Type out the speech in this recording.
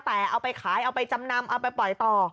แต่เอาไปขายเอาไปจำนำเอาไปปล่อยต่อ